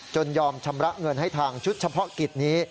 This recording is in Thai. ยอมชำระเงินให้ทางชุดเฉพาะกิจนี้